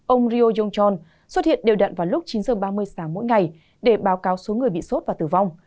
ông ryo jong chol xuất hiện đều đặn vào lúc chín h ba mươi sáng mỗi ngày để báo cáo số người bị sốt và tử vong